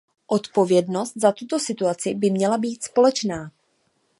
Odpovědnost za tuto situaci by měla být společná.